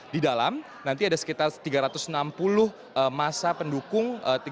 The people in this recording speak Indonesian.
di dalam nanti ada sekitar tiga ratus enam puluh masa pendukung